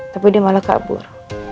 tapi dia malah kabur